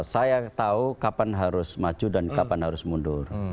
saya tahu kapan harus maju dan kapan harus mundur